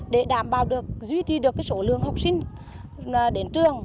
để đảm bảo được duy trì được số lượng học sinh đến trường